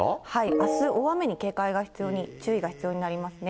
あす大雨に警戒が必要に、注意が必要になりますね。